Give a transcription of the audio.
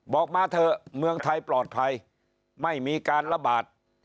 บอกมาเถอะเมืองไทยปลอดภัยไม่มีการระบาด